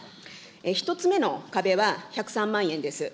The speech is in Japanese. １つ目の壁は、１０３万円です。